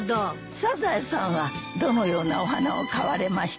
サザエさんはどのようなお花を買われました？